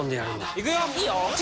いくよ！